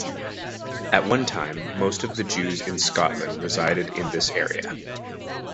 At one time most of the Jews in Scotland resided in this area.